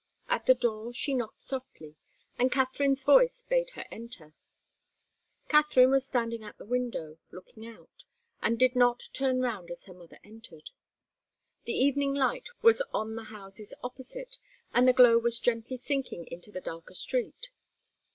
At the door she knocked softly, and Katharine's voice bade her enter. Katharine was standing at the window, looking out, and did not turn round as her mother entered. The evening light was on the houses opposite, and the glow was gently sinking into the darker street.